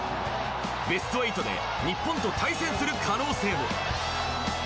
ベスト８で日本と対戦する可能性も。